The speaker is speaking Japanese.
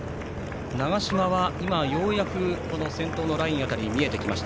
長嶋はようやく先頭辺りに見えてきました。